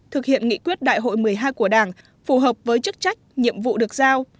thực hiện nghị quyết đại hội một mươi hai của đảng phù hợp với chức trách nhiệm vụ được giao